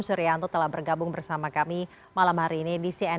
surianto telah bergabung bersama kami malam hari ini di cnn indonesia prime news